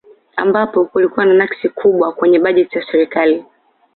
Ambapo kulikuwa na nakisi kubwa kwenye bajeti ya serikali